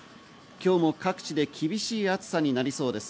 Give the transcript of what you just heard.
今日も各地で厳しい暑さになりそうです。